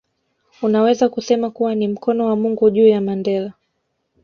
Unaweza kusema kuwa ni mkono wa Mungu juu ya Mandela